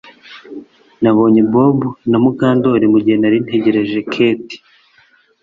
Nabonye Bob na Mukandoli mugihe nari ntegereje Kate